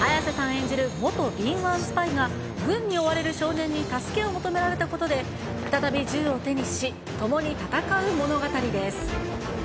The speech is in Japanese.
演じる元敏腕スパイが、軍に追われる少年に助けを求められたことで、再び銃を手にし、共に戦う物語です。